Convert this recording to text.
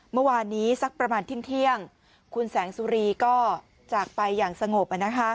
เมื่อวานนี้สักประมาณเที่ยงคุณแสงสุรีก็จากไปอย่างสงบ